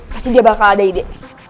pasti dia bakal ada ide